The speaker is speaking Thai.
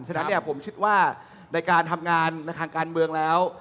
ฉะนั้นผมคิดว่าในการทำงานในทางการเมืองแล้ว